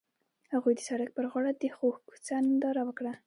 هغوی د سړک پر غاړه د خوږ کوڅه ننداره وکړه.